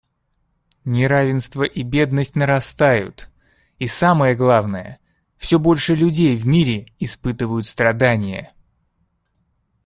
Неравенство и бедность нарастают, и, самое главное, все больше людей в мире испытывают страдания.